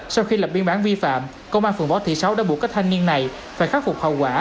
sau khi lập biên bản vi phạm công an phường võ thị sáu đã buộc các thanh niên này phải khắc phục hậu quả